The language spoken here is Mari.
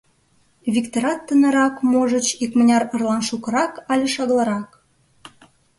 Виктырат тынарак, можыч, икмыняр ырлан шукырак але шагалрак.